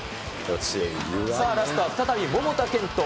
さあ、ラストは再び桃田賢斗。